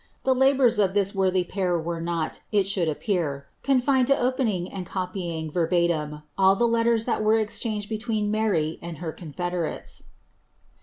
The labours of this worthy pair were not, it should appear, confined to opening and copying, ver batim, all the letters that were exchanged between Mary and her con federates.